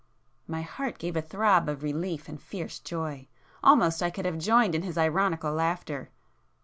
My heart gave a throb of relief and fierce joy,—almost I could have joined in his ironical laughter.